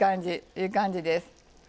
いい感じです。